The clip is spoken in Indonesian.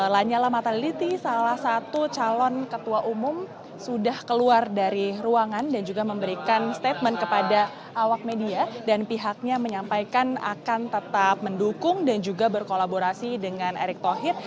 lanyala mataliti salah satu calon ketua umum sudah keluar dari ruangan dan juga memberikan statement kepada awak media dan pihaknya menyampaikan akan tetap mendukung dan juga berkolaborasi dengan erick thohir